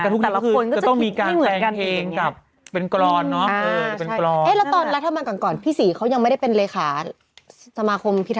แต่ละคนก็คิดว่าไม่เหมือนกันเอง